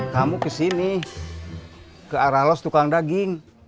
kamu ke sini ke aralos tukang daging